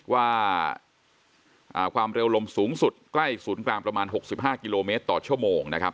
ว่าความเร็วลมสูงสุดใกล้ศูนย์กลางประมาณ๖๕กิโลเมตรต่อชั่วโมงนะครับ